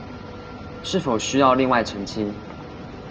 是否需要另外澄清